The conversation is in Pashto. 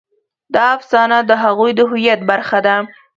دا افسانه د هغوی د هویت برخه ده.